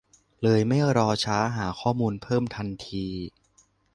เลยไม่รอช้าหาข้อมูลเพิ่มทันที